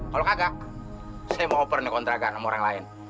kalau kagak saya mau oper nih kontrakan sama orang lain